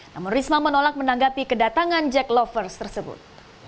namun risma menolak menanggapi kedatangan jack lovers tersebut